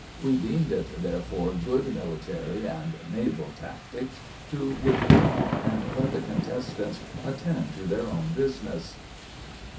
We deemed it, therefore, good military, (and naval) tactics to withdraw and let the contestants attend to their own business.